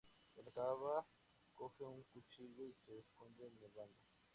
Cuando acaba coge un cuchillo y se esconde en el baño.